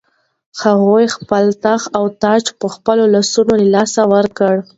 هغوی خپل تخت او تاج په خپلو لاسونو له لاسه ورکړ.